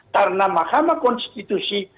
karena mahkamah konstitusi